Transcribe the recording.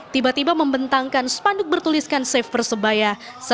tiba tiba membentangkan spanduk bertuliskan save persebaya seribu sembilan ratus dua puluh tujuh